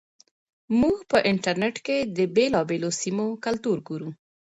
موږ په انټرنیټ کې د بېلابېلو سیمو کلتور ګورو.